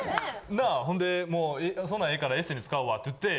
なあほんでもうそんなんええからエステに使うわって。